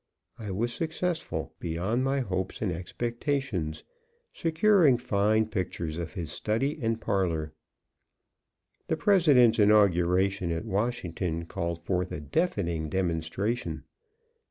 I was successful, beyond my hopes and expectations, securing fine pictures of his study and parlor. The President's inauguration at Washington called forth a deafening demonstration.